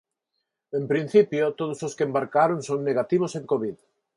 En principio, todos os que embarcaron son negativos en covid.